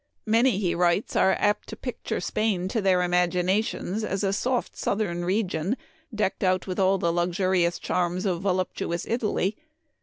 Many," he writes, " are apt to picture Spain to their imaginations as a soft southern region, decked out with all the lux urious charms of voluptuous Italy.